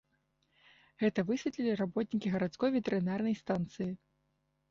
Гэта высветлілі работнікі гарадской ветэрынарнай станцыі.